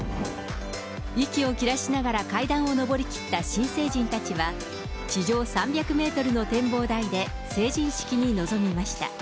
息を切らしながら階段を上りきった新成人たちは、地上３００メートルの展望台で成人式に臨みました。